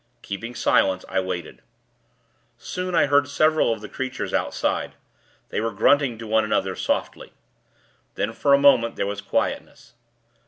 Keeping silence, I waited. Soon, I heard several of the creatures outside. They were grunting to one another, softly. Then, for a minute, there was quietness.